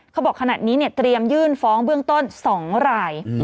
เขาบอกขนาดนี้เตรียมยื่นฟ้องเบื้องต้น๒ราย